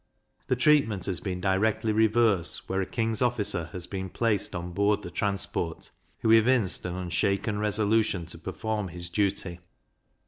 The treatment has been directly reverse where a King's officer has been placed on board the transport, who evinced an unshaken resolution to perform his duty.